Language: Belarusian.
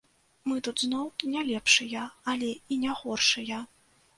Мы тут зноў не лепшыя, але і не горшыя.